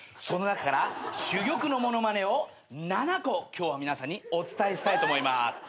その中から珠玉の物まねを７個今日は皆さんにお伝えしたいと思います。